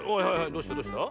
どうしたどうした？